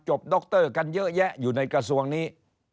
ดรกันเยอะแยะอยู่ในกระทรวงนี้